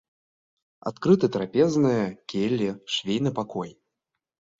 Адкрыты трапезная, келлі, швейны пакой.